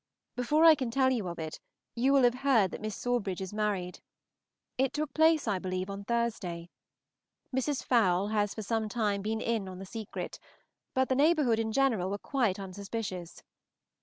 Before I can tell you of it, you will have heard that Miss Sawbridge is married. It took place, I believe, on Thursday. Mrs. Fowle has for some time been in the secret, but the neighborhood in general were quite unsuspicious.